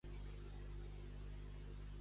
Desigs maten el peresós.